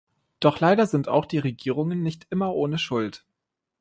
Doch leider sind auch die Regierungen nicht immer ohne Schuld.